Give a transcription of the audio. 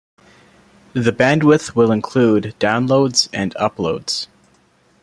The bandwidth will include downloads and uploads.